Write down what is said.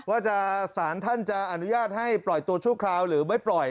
สารท่านจะอนุญาตให้ปล่อยตัวชั่วคราวหรือไม่ปล่อย